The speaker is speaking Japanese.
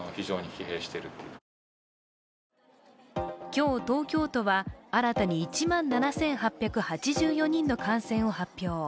今日、東京都は新たに１万７８８４人の感染を発表。